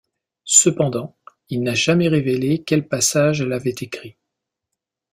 Cependant, il n'a jamais révélé quel passage elle avait écrit.